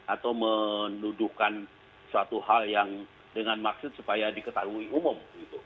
atau menuduhkan suatu hal yang dengan maksud supaya diketahui umum